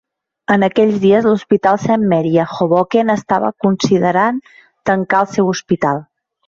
En aquells dies, l'Hospital Saint Mary a Hoboken estava considerant tancar el seu hospital.